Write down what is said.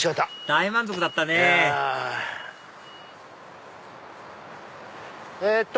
大満足だったねえっと